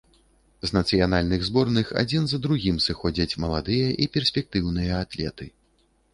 З нацыянальных зборных адзін за другім сыходзяць маладыя і перспектыўныя атлеты.